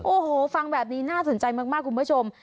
โอ้โหฟังแบบนี้น่าสนใจมากคุณผู้ชม